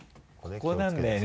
ここなんだよね